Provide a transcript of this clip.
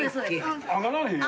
上がらへんよ。